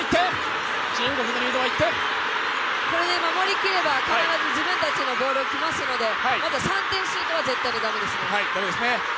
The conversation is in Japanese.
これで守り切れば必ず自分たちのボールが来ますので、まずは３点シュートは絶対に駄目ですね。